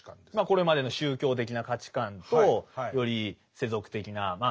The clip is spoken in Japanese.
これまでの宗教的な価値観とより世俗的なまあ